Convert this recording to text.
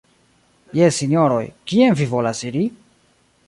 Jes, Sinjoroj, kien vi volas iri?